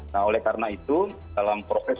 nah oleh karena itu dalam proses